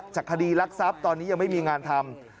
คดีรักทรัพย์ตอนนี้ยังไม่มีงานทำ